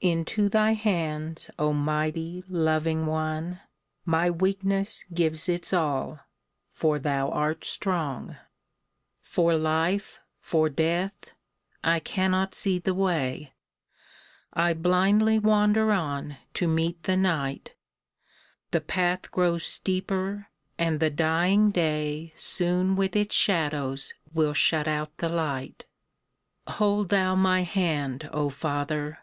Into thy hands, O mighty, loving One, My weakness gives its all, for thou art strong ! For life — for death. I cannot see the way ; I blindly wander on to meet the night ; The path grows steeper, and the dying day Soon with its shadows will shut out the light. Hold thou my hand, O Father